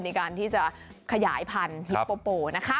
ในการที่จะขยายพันธุ์ฮิปโปโปนะคะ